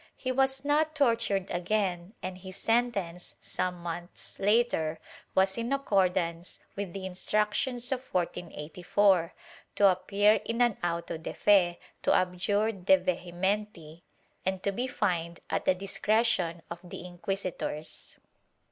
He was not tortured again and his sentence, some months later, was in accordance with the Instructions of 1484 — to appear in an auto de fe, to abjure de vehementi and to be fined at the discretion of the inquisitors.